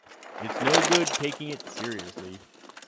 It is no good taking it seriously.